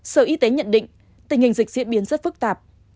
sở y tế nhận định tình hình dịch diễn biến rất phức tạp